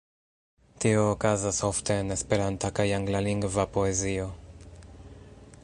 Tio okazas ofte en Esperanta kaj anglalingva poezio.